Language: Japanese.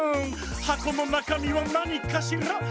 「はこのなかみはなにかしら？」